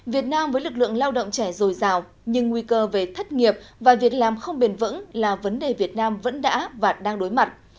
việt nam với lực lượng lao động trẻ dồi dào nhưng nguy cơ về thất nghiệp và việc làm không bền vững là vấn đề việt nam vẫn đã và đang đối mặt